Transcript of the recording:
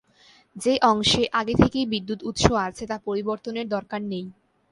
যে অংশে আগে থেকেই বিদ্যুৎ উৎস আছে, তা পরিবর্তনের দরকার নেই।